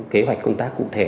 kế hoạch công tác cụ thể